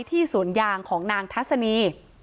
ที่ศูนยางของนางทัศนี